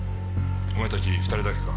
お前たち２人だけか？